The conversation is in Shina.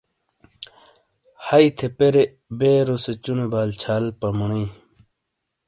ہئی تھے پیرے بیرو سے چونے بال چھال پمونئی